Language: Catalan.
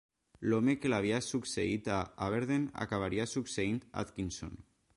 L'home que l'havia succeït a Aberdeen acabaria succeint Atkinson.